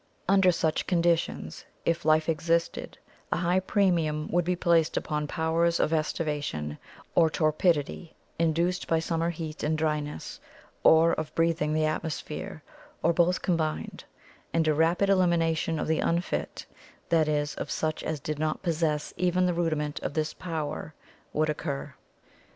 Under such conditions, if life existed, a high premium would be placed upon powers of aestivation, or torpidity induced by summer heat and dryness, or of breathing the atmosphere, or both com bined; and a rapid elimination of the unfit, that is, of such as did not possess even the rudiment of this power, would occur.